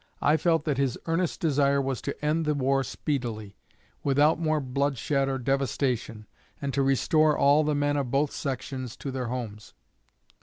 I felt that his earnest desire was to end the war speedily, without more bloodshed or devastation, and to restore all the men of both sections to their homes.